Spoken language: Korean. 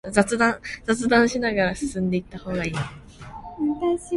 아픈 구석을 꾹 찔러 보았다.